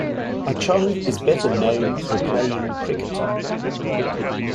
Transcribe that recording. Achong is better known for playing cricket.